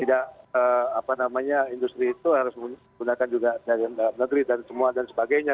tidak apa namanya industri itu harus menggunakan juga dari dalam negeri dan semua dan sebagainya